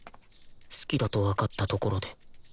好きだとわかったところで